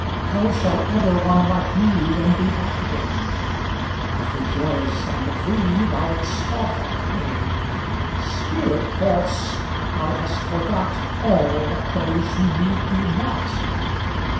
How shall ever one like me Win thee back again? With the joyous and the free Thou wilt scoff at pain. Spirit false! thou hast forgot All but those who need thee not.